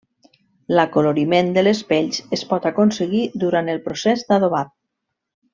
L'acoloriment de les pells es pot aconseguir durant el procés d'adobat.